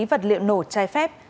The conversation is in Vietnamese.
vật liệu nổ trái phép